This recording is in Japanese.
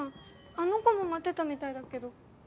あの子も待ってたみたいだけど。